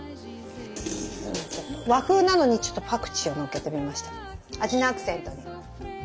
和風なのにちょっとパクチーをのっけてみました味のアクセントに。